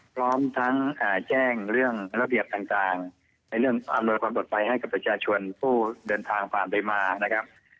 พร้อมทั้งแจ้งเรื่องระเบียบต่างในเรื่องอำนวยความปลอดภัยให้กับประชาชนผู้เดินทางผ่านไปมานะครับ